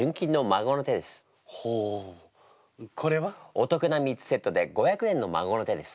お得な３つセットで５００円の孫の手です。